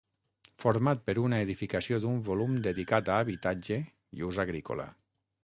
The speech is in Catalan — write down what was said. Format per una edificació d'un volum dedicat a habitatge i ús agrícola.